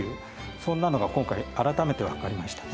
そんなのが今回改めて分かりましたね。